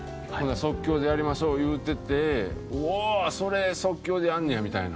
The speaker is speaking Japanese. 即興でやりましょう言うてて「それ即興でやんねや？」みたいな。